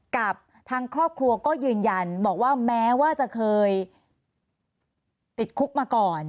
กับทางครอบครัวก็ยืนยันบอกว่าแม้ว่าจะเคยติดคุกมาก่อน